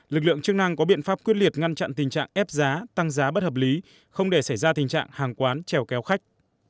lực lượng chức năng có biện pháp quyết liệt ngăn chặn tình trạng ép giá tăng giá bất hợp lý không để xảy ra tình trạng hàng quán trèo kéo khách